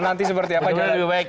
nanti seperti apa jauh lebih baik